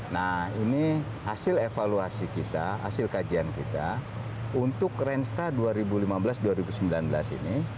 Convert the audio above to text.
nah ini hasil evaluasi kita hasil kajian kita untuk renstra dua ribu lima belas dua ribu sembilan belas ini